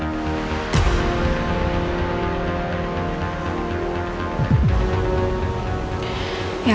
ya aku maklum sih papa